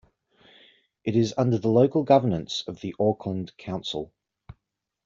It is under the local governance of the Auckland Council.